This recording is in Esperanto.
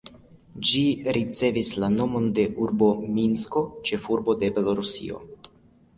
Ĝi ricevis la nomon de la urbo Minsko, ĉefurbo de Belorusio.